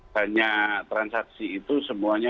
banyak transaksi itu semuanya